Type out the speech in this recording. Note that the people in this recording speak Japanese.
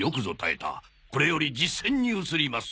これより実践に移ります！